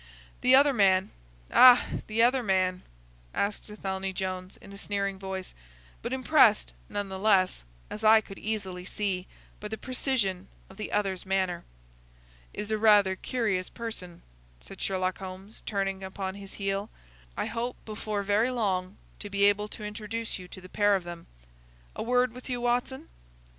The other man—" "Ah! the other man—?" asked Athelney Jones, in a sneering voice, but impressed none the less, as I could easily see, by the precision of the other's manner. "Is a rather curious person," said Sherlock Holmes, turning upon his heel. "I hope before very long to be able to introduce you to the pair of them.—A word with you, Watson."